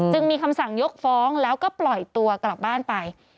จึงมีคำสั่งยกฟ้องแล้วก็ปล่อยตัวกลับบ้านไป